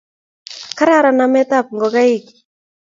kararan namekab ngokaik